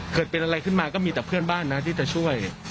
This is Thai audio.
เกิดเป็นอะไรขึ้นมาก็มีแต่เพื่อนบ้านนะที่จะช่วย